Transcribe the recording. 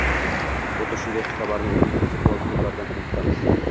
Xuddi shunday xushxabarni o'zbek futbol klublaridan ham kutamiz